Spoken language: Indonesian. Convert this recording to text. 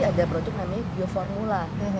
ada produk namanya bioformula